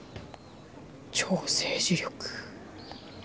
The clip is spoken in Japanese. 「超政治力」。